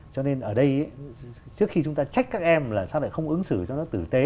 cho nên ở đây trước khi chúng ta trách các em là sao lại không ứng xử cho nó tử tế